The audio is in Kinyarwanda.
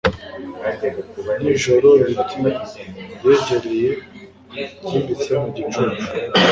nijoroIbiti byegereye byimbitse mu gicucu